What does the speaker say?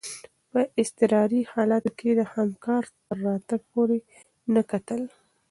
په اضطراري حالاتو کي د همکار تر راتګ پوري نه کتل.